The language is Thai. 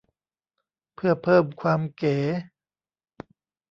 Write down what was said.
เพื่อเพิ่มความเก๋